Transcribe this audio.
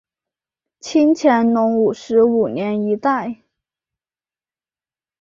清乾隆五十五年一带。